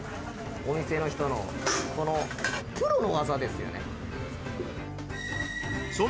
お店の人のこのプロの技ですよね